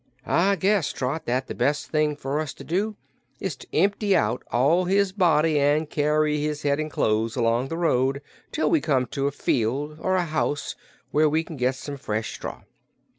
I guess, Trot, that the best thing for us to do is to empty out all his body an' carry his head an' clothes along the road till we come to a field or a house where we can get some fresh straw."